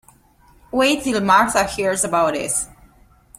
Wait till Martha hears about this.